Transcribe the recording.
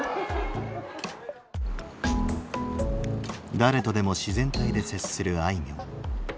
誰とでも自然体で接するあいみょん。